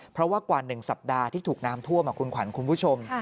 เพราะว่ากว่า๑สัปดาห์ที่ถูกน้ำท่วมคุณขวัญคุณผู้ชม